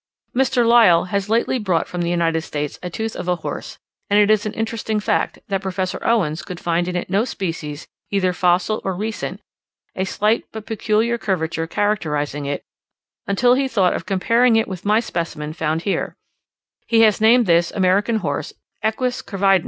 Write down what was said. Mr. Lyell has lately brought from the United States a tooth of a horse; and it is an interesting fact, that Professor Owen could find in no species, either fossil or recent, a slight but peculiar curvature characterizing it, until he thought of comparing it with my specimen found here: he has named this American horse Equus curvidens.